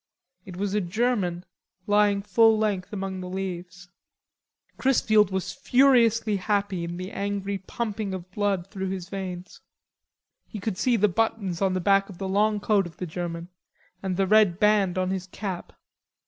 It was a German lying full length among the leaves. Chrisfield was furiously happy in the angry pumping of blood through his veins. He could see the buttons on the back of the long coat of the German, and the red band on his cap.